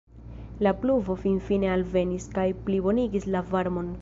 La pluvo finfine alvenis, kaj plibonigis la varmon.